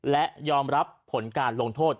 และยอมรับผลการลงโทษ